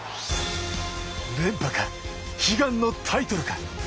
連覇か、悲願のタイトルか。